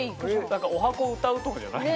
何かおはこを歌うとかじゃないの？